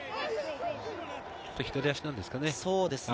左足なんですかね。